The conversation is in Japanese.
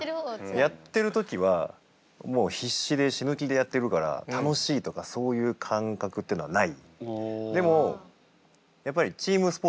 やってる時はもう必死で死ぬ気でやってるから楽しいとかそういう感覚ってのはない。